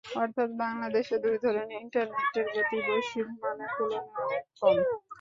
অর্থাৎ বাংলাদেশে দুই ধরনের ইন্টারনেটের গতিই বৈশ্বিক মানের তুলনায় অনেক কম।